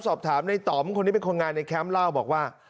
สอบถามในต่อมคนนี้เป็นคนงานในแคมป์เล่าบอกว่า